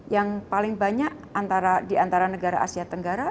yang paling banyak diantara negara asia tenggara